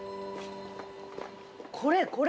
これこれ！